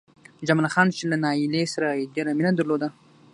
جمال خان چې له نايلې سره يې ډېره مينه درلوده